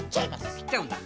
きっちゃうんだ。